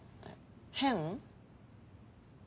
変？